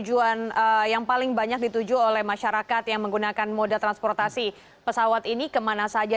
tujuan yang paling banyak dituju oleh masyarakat yang menggunakan moda transportasi pesawat ini kemana saja